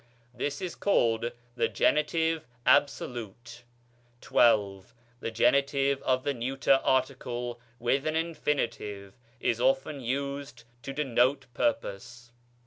This is called the genitive absolute. XII. The genitive of the neuter article with an infinitive is often used to denote purpose.